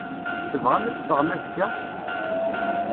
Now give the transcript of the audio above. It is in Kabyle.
Tebɣam ad teffɣem azekka?